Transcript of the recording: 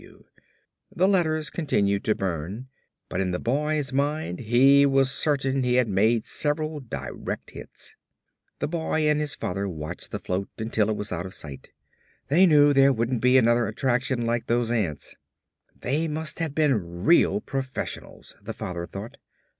F.W. The letters continued to burn, but in the boy's mind he was certain he had made several direct hits. The boy and his father watched the float until it was out of sight. They knew there wouldn't be another attraction like those ants. They must have been real professionals, the father thought.